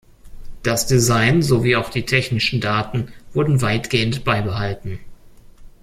Das Design sowie auch die technischen Daten wurden weitgehend beibehalten.